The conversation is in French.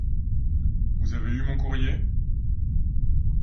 Vous avez eu mon courrier ?